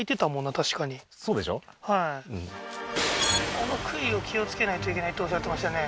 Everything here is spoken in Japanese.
あの杭を気を付けないといけないっておっしゃってましたよね